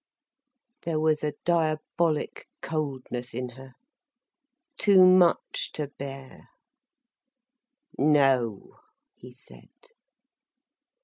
There was a diabolic coldness in her, too much to bear. "No," he said.